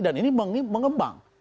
dan ini mengembang